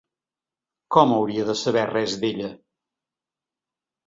Com hauria de saber res d'ella?